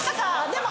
でも。